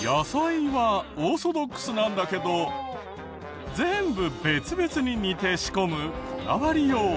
野菜はオーソドックスなんだけど全部別々に煮て仕込むこだわりよう。